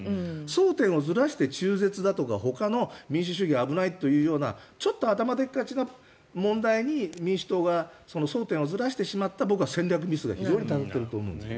争点をずらして中絶だとかほかの民主主義危ないというようなちょっと頭でっかちな問題に民主党が争点をずらしてしまった僕は戦略ミスだと思います。